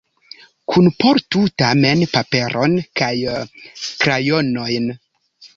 Kunportu tamen paperon kaj krajonojn.